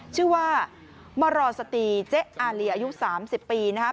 ชื่อว่ามารอสตรีเจ๊อาเหลี่ยอายุ๓๐ปีนะฮะ